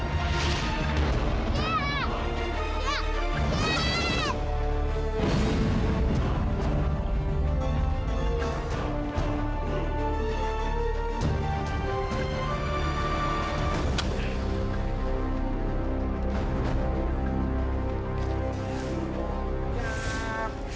assalamualaikum warahmatullahi wabarakatuh